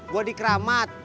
gue di kramat